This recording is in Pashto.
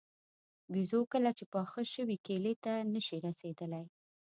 بېزو کله چې پاخه شوي کیلې ته نه شي رسېدلی.